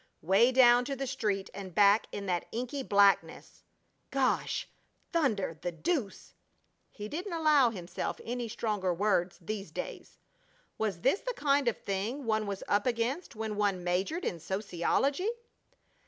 Way down to the street and back in that inky blackness! "Gosh! Thunder! The deuce!" (He didn't allow himself any stronger words these days.) Was this the kind of thing one was up against when one majored in sociology?